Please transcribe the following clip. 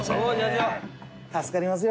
助かりますよ